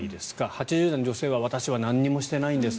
８０代の女性は私は何もしてないです。